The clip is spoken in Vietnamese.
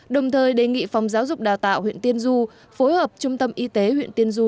đồng thời đề nghị phòng giáo dục đào tạo huyện tiên du phối hợp trung tâm y tế huyện tiên du